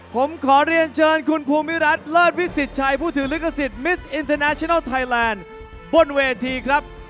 ผมขอเรียนเชิญคุณภูมิรัฐเลิศวิสิทธิ์ชัยผู้ถือลิขสิทธิ์มิสอินเทอร์ชินัลไทยแลนด์บนเวทีครับ